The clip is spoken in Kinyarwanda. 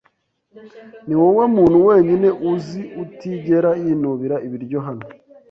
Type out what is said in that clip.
Niwowe muntu wenyine uzi utigera yinubira ibiryo hano.